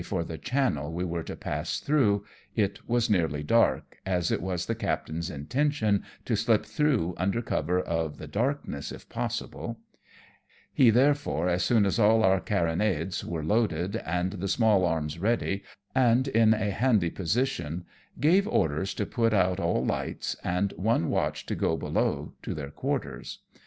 25 for the channel we were to pass through, it was nearly dark, as it was the captain's intention to slip through under cover of the darkness, if possible ; he^ therefore, as soon as all our carronades were loaded^ and the small arms ready, and in a handy position, gave orders to put out all lights, and one watch to go below to their quarters.